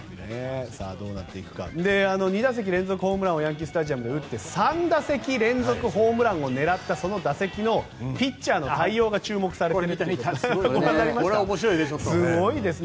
２打席連続ホームランをヤンキー・スタジアムで打って３打席連続ホームランを狙ったその打席のピッチャーの対応が注目されているみたいです。